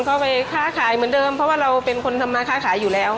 ก็ไปค้าขายเหมือนเดิมเพราะว่าเราเป็นคนทำมาค้าขายอยู่แล้ว